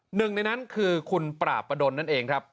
หนึ่งในนั้นคือคุณปราบประดนนั่นเองครับ